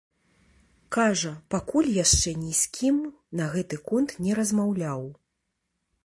Кажа, пакуль яшчэ ні з кім на гэты конт не размаўляў.